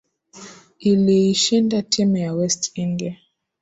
iliishinda timu ya west india